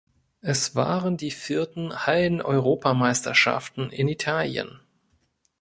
Es waren die vierten Halleneuropameisterschaften in Italien.